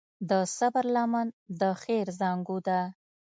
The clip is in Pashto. د صبر لمن د خیر زانګو ده.